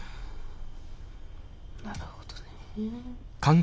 なるほどね。